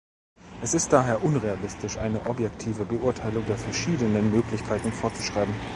Es ist daher unrealistisch, eine objektive Beurteilung der verschiedenen Möglichkeiten vorzuschreiben.